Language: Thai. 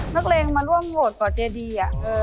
เลงมาร่วมโหวตก่อเจดี